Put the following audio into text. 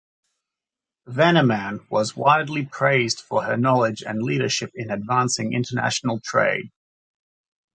Veneman, was widely praised for her knowledge and leadership in advancing international trade.